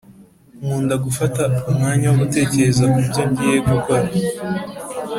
Nkunda gufata umwanya wo gutekereza kubyo ngiye gukora